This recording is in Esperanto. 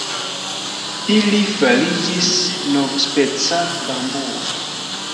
Ili fariĝis novspeca bambuo.